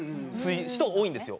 人が多いんですよ。